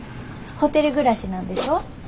ホテル暮らしなんでしょ？